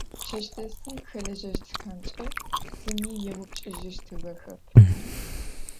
Чэщдэсым хэлэжьэщтхэмкӏэ зыми еупчӏыжьыщтыгъэхэп.